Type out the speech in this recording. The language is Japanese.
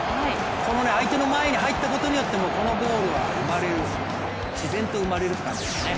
この相手の前に入ったことによって、このゴールは生まれる自然と生まれるって感じですね。